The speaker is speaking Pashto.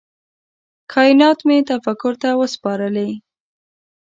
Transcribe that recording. کائینات مي تفکر ته وه سپارلي